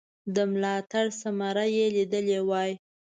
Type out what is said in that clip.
د ملاتړ ثمره یې لیدلې وای.